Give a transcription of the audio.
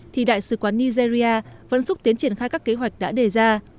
thì đại sứ quán nigeria vẫn xúc tiến triển khai các kế hoạch đã đề ra